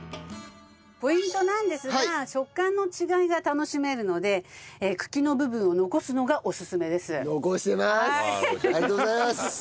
ポイントなんですが食感の違いが楽しめるので茎の部分を残すのがオススメです。